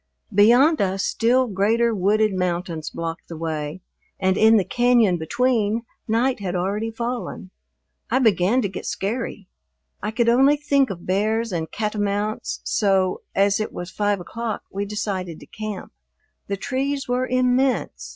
Beyond us still greater wooded mountains blocked the way, and in the cañon between night had already fallen. I began to get scary. I could only think of bears and catamounts, so, as it was five o'clock, we decided to camp. The trees were immense.